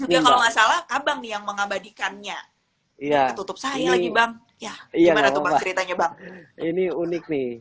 kalau nggak salah abang yang mengabadikannya iya tutup saya lagi bang ya iya ceritanya ini unik